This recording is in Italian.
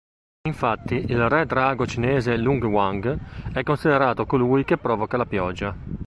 Infatti il re-drago cinese Lung Wang è considerato colui che provoca la pioggia.